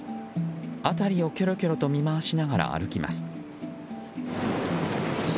辺りをキョロキョロと見回しながら歩きます。